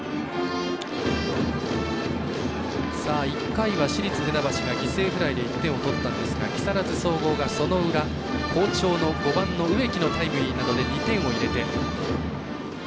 １回は市立船橋が犠牲フライで１点を取ったんですが木更津総合がその裏好調の５番の植木のタイムリーなどで２点を入れて。